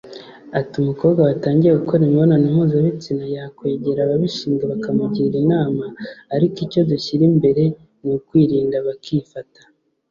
Ati “ Umukobwa watangiye gukora imibonano mpuzabitsina yakwegera ababishinzwe bakamugira inama ariko icyo dushyira imbere ni ukwirinda bakifata